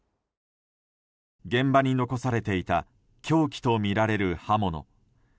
現場に残されていた凶器とみられる刃物。